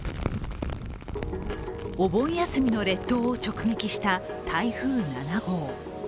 お盆休みの列島を直撃した台風７号。